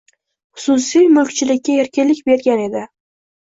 — xususiy mulkchilikka erkinlik bergan edi.